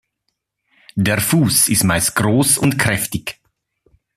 Der Fuß ist meist groß und kräftig.